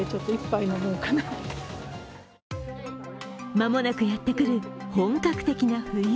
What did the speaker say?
間もなくやってくる本格的な冬。